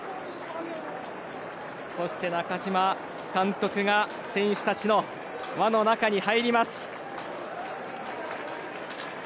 そして中嶋監督が選手たちの輪の中に入ります。